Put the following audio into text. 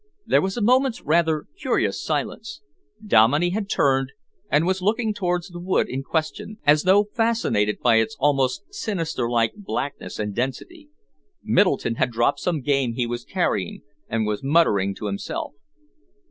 There was a moment's rather curious silence. Dominey had turned and was looking towards the wood in question, as though fascinated by its almost sinister like blackness and density. Middleton had dropped some game he was carrying and was muttering to himself.